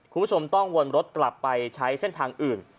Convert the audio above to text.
คุณผู้ชมต้องวนรถกลับไปใช้เส้นทางอื่น